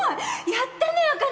やったね茜！